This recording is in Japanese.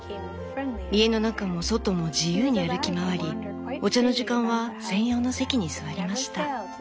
家の中も外も自由に歩き回りお茶の時間は専用の席に座りました」。